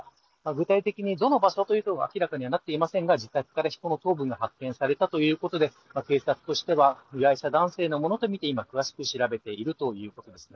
具体的にどの場所というのは明らかにはなっていませんが自宅から人の頭部が発見されたということで警察としては被害者男性のものとみて今、詳しく調べているということです。